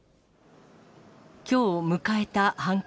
きょう迎えた判決。